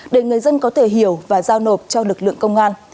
để người dân có thể hiểu và giao nộp cho lực lượng công an